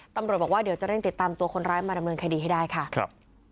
ตำรวจบอกว่าเดี๋ยวจะเร่งติดตามตัวคนร้ายมาดำเนินคดีให้ได้ค่ะครับ